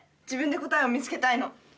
自分で答えを見つけたいの。